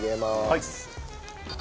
はい。